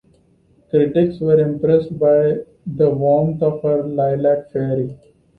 Critics were impressed by the warmth of her Lilac Fairy.